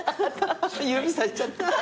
指さしちゃった。